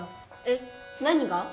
えっ何が？